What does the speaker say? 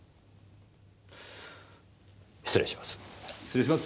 失礼します。